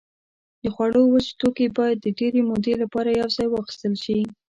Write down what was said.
د خوړو وچ توکي باید د ډېرې مودې لپاره یوځای واخیستل شي.